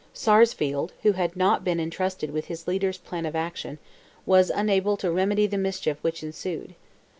Sarsfield, who had not been entrusted with his leader's plan of action, was unable to remedy the mischief which ensued.